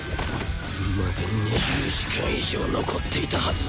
まだ２０時間以上残っていたはず。